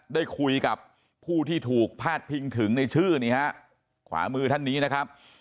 ได้คุยกับผู้ที่ถูกพาดพิงถึงในชื่อนี้ฮะขวามือท่านนี้นะครับ